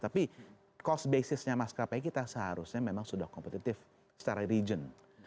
tapi cost basisnya maskapai kita seharusnya memang sudah kompetitif secara region